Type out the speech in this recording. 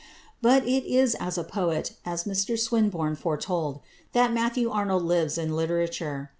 But it is as a poet, as Mr Swinburne foretold, that Matthew Arnold lives in literature.